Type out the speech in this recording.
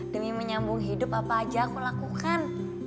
demi menyambung hidup apa aja aku lakukan